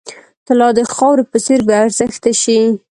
طلا د خاورې په څېر بې ارزښته شي.